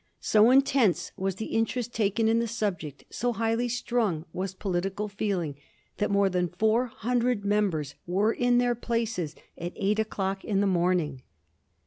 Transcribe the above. So intense was the interest taken in the subject, so highly strung was political feeling, that more than four hundred members were in their places at eight o'clock in the morning.